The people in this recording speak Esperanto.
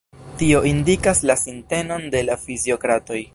Tio indikas la sintenon de la fiziokratoj.